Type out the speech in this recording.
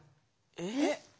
えっ⁉